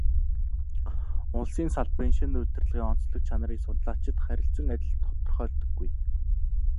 Улсын салбарын шинэ удирдлагын онцлог чанарыг судлаачид харилцан адил тодорхойлдоггүй.